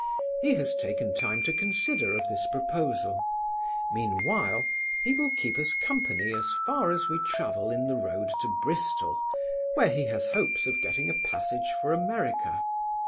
He has taken time to consider of this proposal; mean while, he will keep us company as far as we travel in the road to Bristol, where he has hopes of getting a passage for America.